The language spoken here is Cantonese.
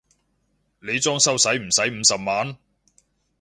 你裝修駛唔駛五十萬？